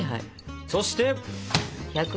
そして？